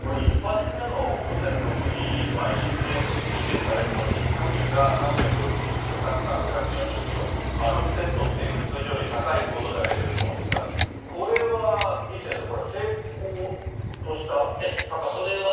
１発目の午前６時のＩＣＢＭと推定されるもの、飛距離が３６０キロ、高さ５４０キロ、ロフテッドっていう通常より高い高度で上げてると思うんですが、これは李先生、成功とした高さなんですか。